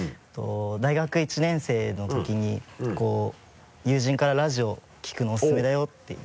大学１年生のときに友人からラジオを聞くのおすすめだよって言われて。